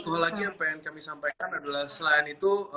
satu hal lagi yang pengen kami sampaikan adalah selain itu